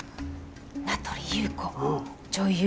名取裕子女優